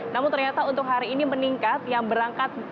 namun ternyata untuk hari ini meningkat yang berangkat